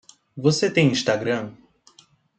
Você tem Instagram?